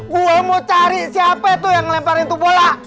gua mau cari siapa itu yang ngelemparin tuh bola